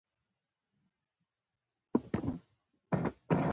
نور خلک خوشاله وي .